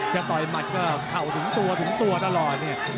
จะต่อยหมัดก็เข่าถึงตัวถึงตัวตลอดเนี่ย